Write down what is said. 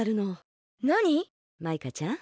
マイカちゃん。